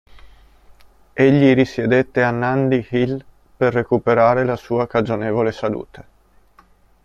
Egli risiedette a Nandi Hill per recuperare la sua cagionevole salute.